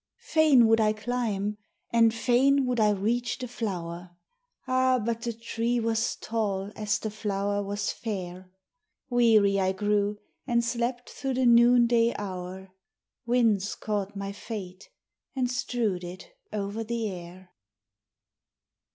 Fain would I climb, and fain would I reach the flower. Ah, but the tree was tall as the flower was fair! Weary I grew and slept through the noonday hour; Winds caught my fate and strewed it over the air.